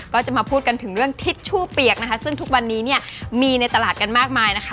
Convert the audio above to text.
ก็จะมาพูดกันถึงเรื่องทิชชู่เปียกนะคะซึ่งทุกวันนี้เนี่ยมีในตลาดกันมากมายนะคะ